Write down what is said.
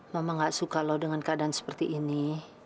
mama tidak suka kamu dengan keadaan seperti ini